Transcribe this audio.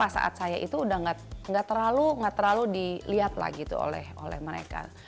saat saya itu nggak terlalu lihat innovations oleh mereka